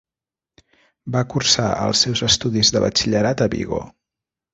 Va cursar els seus estudis de batxillerat a Vigo.